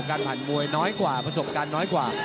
การผ่านมวยน้อยกว่าประสบการณ์น้อยกว่า